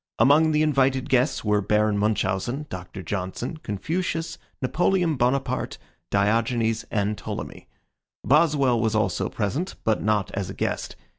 Among the invited guests were Baron Munchausen, Doctor Johnson, Confucius, Napoleon Bonaparte, Diogenes, and Ptolemy. Boswell was also present, but not as a guest.